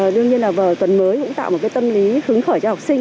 đương nhiên là vào tuần mới cũng tạo một cái tâm lý hứng khởi cho học sinh